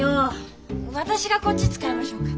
私がこっち使いましょうか？